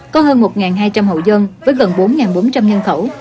có hơn một hai trăm linh hộ dân với gần bốn bốn trăm linh nhân khẩu